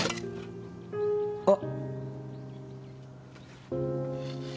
あっ。